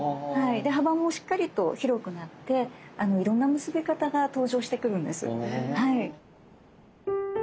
幅もしっかりと広くなっていろんな結び方が登場してくるんです。